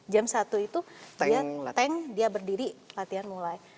jam satu itu dia berdiri latihan mulai